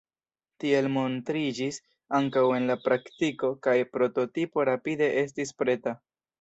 Tiel montriĝis ankaŭ en la praktiko, kaj prototipo rapide estis preta.